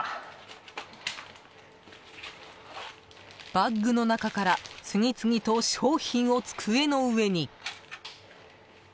バッグの中から次々と商品を机の上に。